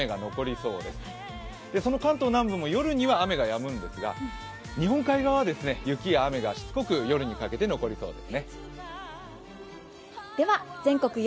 その関東南部も夜には雨がやむんですが、日本海側は雪や雨がしつこく夜にかけて残りそうです。